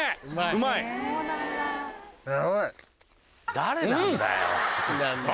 誰なんだよ。